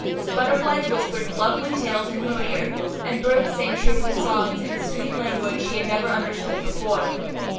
Butterflies whispered lovely tales in her ear, and birds sang cheerful songs in a sweet language she had never understood before.